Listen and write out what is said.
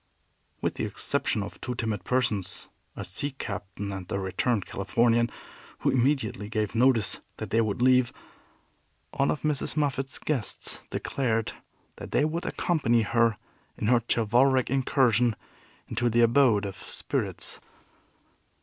With the exception of two timid persons, a sea captain and a returned Californian, who immediately gave notice that they would leave, all of Mrs. Moffat's guests declared that they would accompany her in her chivalric incursion into the abode of spirits.